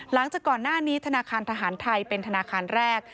หลังจากก่อนหน้านี้ธนาคารทหารไทยเป็นธนาคารแรก